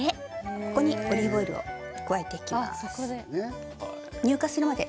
ここにオリーブオイルを加えていきます。